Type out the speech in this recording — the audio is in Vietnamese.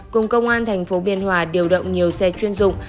cùng công an thành phố biên hòa điều động nhiều xe chuyên dụng